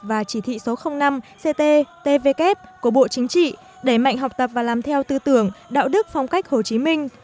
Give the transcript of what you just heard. và chỉ thị số năm ct tvk của bộ chính trị để mạnh học tập và làm theo tư tưởng đạo đức phong cách hồ chí minh